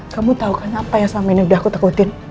kamu tau kan apa yang selama ini udah aku takutin